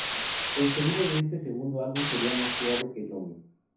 El sonido de este segundo álbum sería más suave que Dummy.